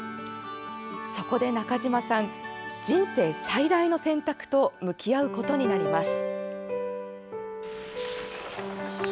そこで、中島さん人生最大の選択と向き合うことになります。